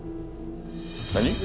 何？